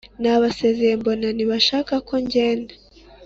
nabasezeye mbona ntibashaka ko ngenda